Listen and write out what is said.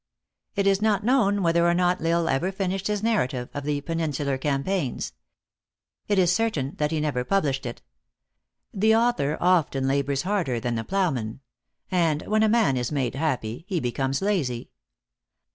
It is not known whether or not L Isle ever finished his narrative of the Peninsular campaigns. It is certain that he never published it. The author often labors harder than the ploughman ; and when a man is made happy, he becomes lazy.